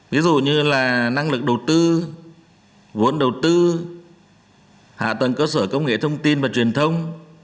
ví dụ như là năng lực đầu tư vốn đầu tư hạ tầng cơ sở công nghệ thông tin và truyền thông